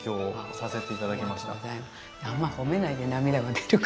あんま褒めないで涙が出るから。